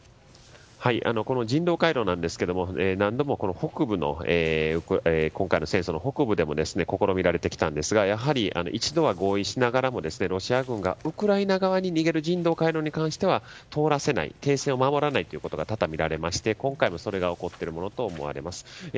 この人道回廊なんですけれども何度も今回の戦争の北部でも試みられてきたんですがやはり、一度は合意しながらもロシア軍がウクライナ側に逃げる人道回廊に関しては通らせない停戦を守られないというのが多々、見られまして今回もそれが起こっているものとみられます。